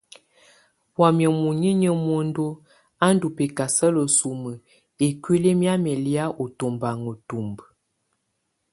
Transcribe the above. Wamɛ̀á munyinyǝ muǝndu á ndù bɛkasala sumǝ ikuili mɛ̀amɛ lɛ̀á ù tubaŋa ntumbǝ.